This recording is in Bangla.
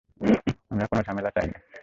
আমরা কোনো ঝামেলা চাই না।